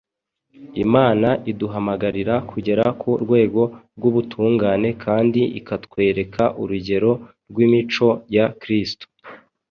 Imana iduhamagarira kugera ku rwego rw’ubutungane kandi ikatwereka urugero rw’imico ya Kristo.